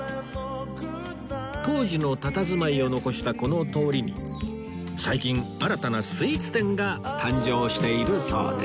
当時のたたずまいを残したこの通りに最近新たなスイーツ店が誕生しているそうです